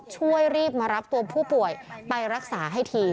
ช่วยรีบมารับตัวผู้ป่วยไปรักษาให้ที